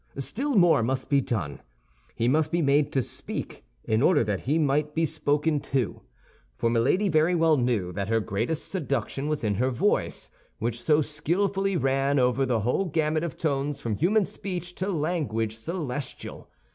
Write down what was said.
Still more must be done. He must be made to speak, in order that he might be spoken to—for Milady very well knew that her greatest seduction was in her voice, which so skillfully ran over the whole gamut of tones from human speech to language celestial.